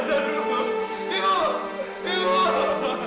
pak jangan tinggalkan rasa